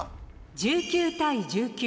１９対１９。